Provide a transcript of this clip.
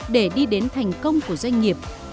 để đi đến thành công của doanh nghiệp